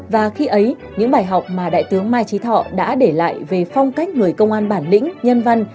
và khi ấy những bài học mà đại tướng mai trí thọ đã để lại về phong cách người công an bản lĩnh nhân văn